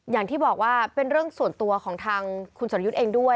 อย่างที่บอกว่าเป็นเรื่องส่วนตัวของทางคุณสรยุทธ์เองด้วย